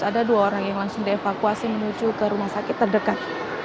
ada dua orang yang langsung dievakuasi menuju ke rumah sakit terdekat